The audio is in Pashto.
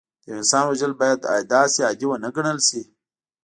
د یو انسان وژل باید داسې عادي ونه ګڼل شي